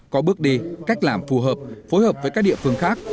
có bước đi cách làm phù hợp phối hợp với các địa phương khác